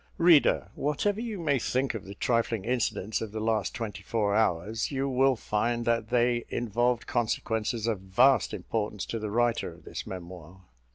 Reader, whatever you may think of the trifling incidents of the last twenty four hours, you will find that they involved consequences of vast importance to the writer of this memoir.